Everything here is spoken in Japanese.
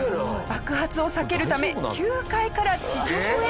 爆発を避けるため９階から地上へ。